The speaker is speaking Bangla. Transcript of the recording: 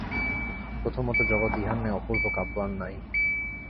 প্রথমত জগতে ইহার ন্যায় অপূর্ব কাব্য আর নাই।